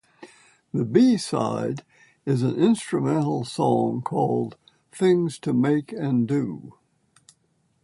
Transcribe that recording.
The B-side is an instrumental song called Things to Make and Do.